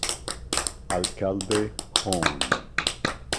Alcalde: Hon.